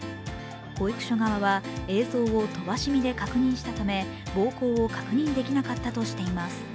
保育所側は、映像を飛ばし見で確認したため、暴行を確認できなかったとしています。